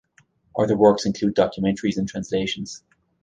Other works include documentaries and translations.